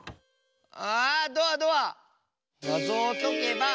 あドアドア！